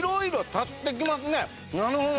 なるほどね。